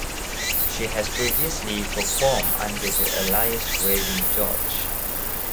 She has previously performed under the alias Raving George.